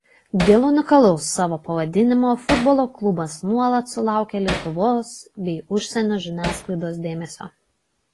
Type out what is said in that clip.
Dėl unikalaus savo pavadinimo futbolo klubas nuolat sulaukia Lietuvos bei užsienio žiniasklaidos dėmesio.